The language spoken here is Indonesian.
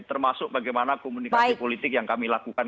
termasuk bagaimana komunikasi politik yang kami lakukan